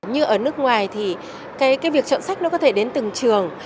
như ở nước ngoài thì cái việc chọn sách nó có thể đến từng trường